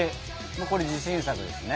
これ自信作ですね。